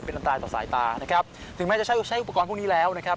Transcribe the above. อันตรายต่อสายตานะครับถึงแม้จะใช้อุปกรณ์พวกนี้แล้วนะครับ